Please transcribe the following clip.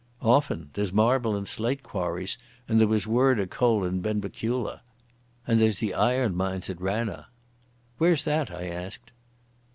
"Often. There's marble and slate quarries, and there was word o' coal in Benbecula. And there's the iron mines at Ranna." "Where's that?" I asked.